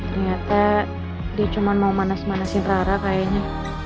ternyata dia cuma mau manas manasin rara kayaknya